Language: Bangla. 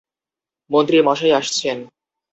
মন্ত্রী মশাই আসছেন।